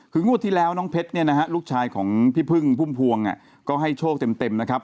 คืองวดที่แล้วน้องเพชรเนี่ยนะฮะลูกชายของพี่พึ่งพุ่มพวงก็ให้โชคเต็มนะครับ